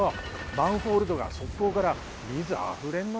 マンホールとか側溝から水あふれんのよ。